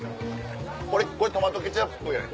これトマトケチャップやねん。